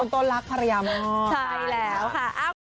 คุณต้นรักพยายามมากใช่แล้วค่ะอ้าว